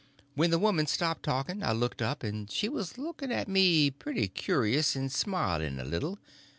When the woman stopped talking I looked up, and she was looking at me pretty curious and smiling a little.